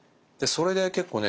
それで結構ね